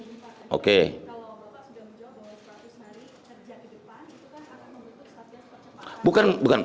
kalau bapak sudah menjawab bahwa seratus hari kerja ke depan itu kan akan membentuk satgas percepatan